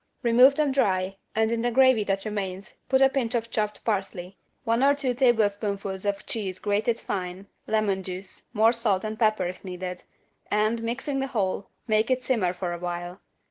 Remove them dry, and in the gravy that remains put a pinch of chopped parsley, one or two teaspoonfuls of cheese grated fine, lemon juice, more salt and pepper if needed, and, mixing the whole, make it simmer for a while.